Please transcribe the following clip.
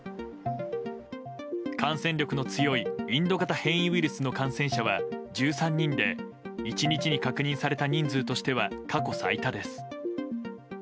感染力の強いインド型変異ウイルスの感染者は１３人で１日に確認された人数としては過去最多です。